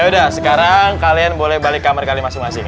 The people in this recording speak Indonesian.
udah sekarang kalian boleh balik kamar kalian masing masing